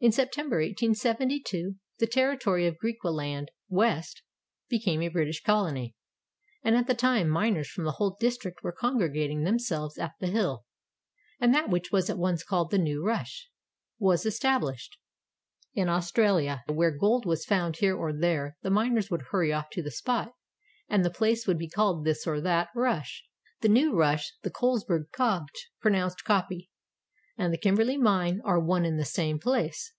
In September, 1872, the territory of Griqualand West became a British Colony, and at that time miners from the whole district were congregating themselves at the hill, and that which was at once called the "New Rush" was estabhshed. In Australia where gold was found here or there the miners would hurry off to the spot and the place would be called this or that "Rush." The New Rush, the Colesberg Kopje, — pronounced Coppy, — and the Kimberley mine are one and the same place.